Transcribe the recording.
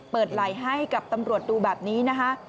ไหล่ให้กับตำรวจดูแบบนี้นะคะ